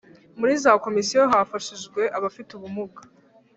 Muri za Komisiyo hafashijwe abafite umuga